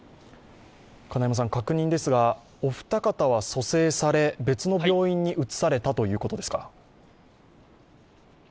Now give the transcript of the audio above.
確認ですが、お二方は蘇生され、別の病院に移されたということですか？